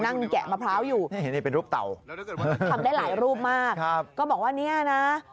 แกะมะพร้าวอยู่นี่เป็นรูปเต่าทำได้หลายรูปมากครับก็บอกว่าเนี่ยนะ